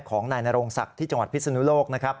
ของนายนโรงศักดิ์ที่จังหวัดพิศนุโลกนะครับ